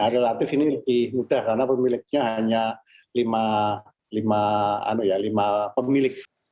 relatif ini lebih mudah karena pemiliknya hanya lima pemilik